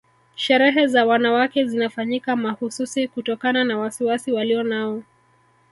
Sherehe za wanawake zinafanyika mahususi kutokana na wasiwasi walionao